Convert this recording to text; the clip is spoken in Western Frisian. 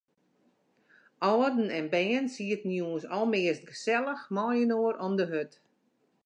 Alden en bern sieten jûns almeast gesellich mei-inoar om de hurd.